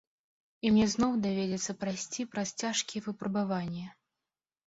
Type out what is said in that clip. І мне зноў давядзецца прайсці праз цяжкія выпрабаванні.